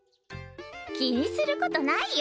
気にすることないよ。